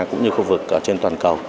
cũng như khu vực trên toàn cầu